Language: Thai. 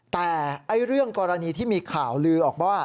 แต่เรื่องกรณีที่มีข่าวลือออกว่า